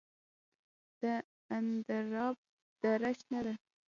د اندراب دره شنه ده